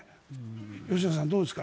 吉永さん、どうですか。